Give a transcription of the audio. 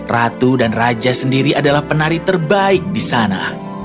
ratu dan raja sendiri adalah penari terbaik di sana